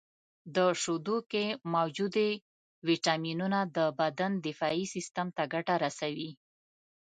• د شیدو کې موجودې ویټامینونه د بدن دفاعي سیستم ته ګټه رسوي.